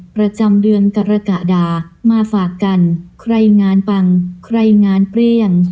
ประจำเดือนกรกฎามาฝากกันใครงานปังใครงานเปรี้ยง